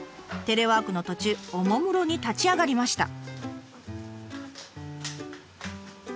テレワークの途中おもむろに立ち上がりました。